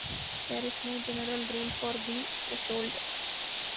There is no general rule for the threshold.